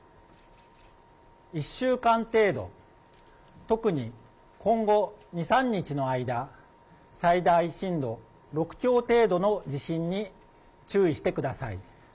１週間程度、特に今後、２、３日の間、最大震度６強程度の地震に注意してください。